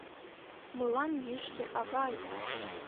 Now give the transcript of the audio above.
Мылам йӱштӧ, авай!